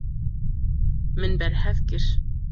Min berhev kir.